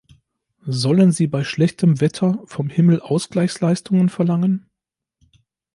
Sollen sie bei schlechtem Wetter vom Himmel Ausgleichsleistungen verlangen?